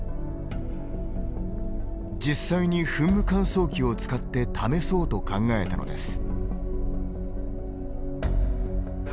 実際に噴霧乾燥機を使って試そうと考えたのです。